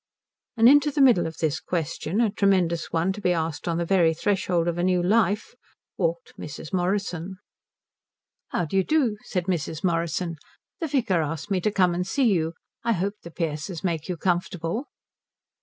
And into the middle of this question, a tremendous one to be asked on the very threshold of the new life, walked Mrs. Morrison. "How d'y do," said Mrs. Morrison. "The vicar asked me to come and see you. I hope the Pearces make you comfortable."